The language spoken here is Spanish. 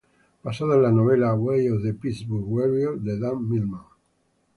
Basada en la novela "Way of the Peaceful Warrior" de Dan Millman.